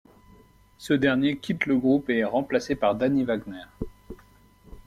Ce dernier quitte le groupe en et est remplacé par Danny Wagner.